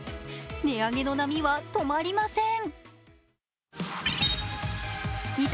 値上げの波は止まりません。